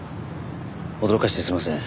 驚かせてすみません。